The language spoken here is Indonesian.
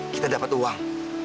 kita dapat uang